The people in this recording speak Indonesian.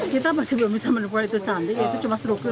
kita masih belum bisa menemukan itu cantik itu cuma struktur